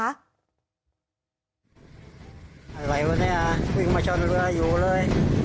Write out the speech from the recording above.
อะไรวะเนี่ยวิ่งมาชนเรืออยู่เลย